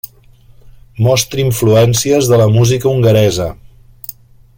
Mostra influències de la música hongaresa.